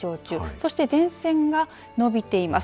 そして前線が伸びています。